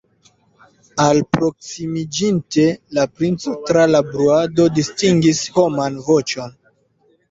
Alproksimiĝinte, la princo tra la bruado distingis homan voĉon.